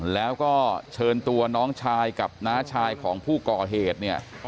แล้วก็เชิญตัวน้องชายกับน้าชายของผู้ก่อเหตุเนี่ย